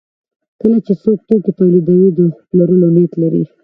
کله چې څوک توکي تولیدوي د پلورلو نیت لري.